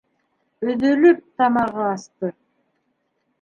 Өҙөлөп тамағы асты.